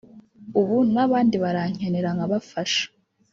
ubu n’abandi barankenera nkabafasha